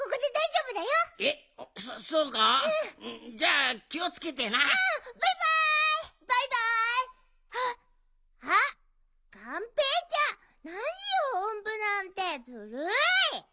あっがんぺーちゃんなによおんぶなんてずるい！